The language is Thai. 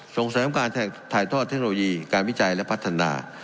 ส่งเสริมการถ่ายทอดเทคโนโลยีการวิจัยและพัฒนา